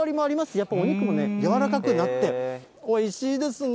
やっぱお肉も柔らかくなって、おいしいですね。